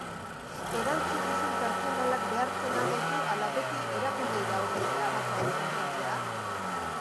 Erantzukizun pertsonalak behartzen al gaitu ala beti erakundeei dagokie arazo hauek konpontzea?